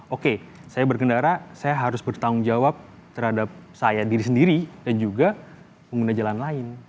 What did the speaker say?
oke saya berkendara saya harus bertanggung jawab terhadap saya diri sendiri dan juga pengguna jalan lain